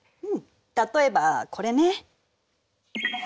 例えばこれね。